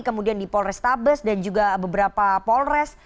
kemudian di polres tabes dan juga beberapa polres